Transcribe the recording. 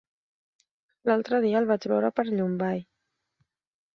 L'altre dia el vaig veure per Llombai.